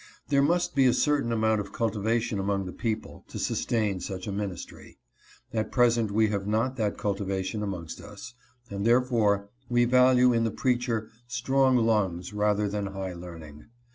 There must be a certain amount of cultivation among the people, to sustain such a ministry. At present we have not that cultivation amongst us; and, therefore, we value in the preacher strong lungs rather than high learning.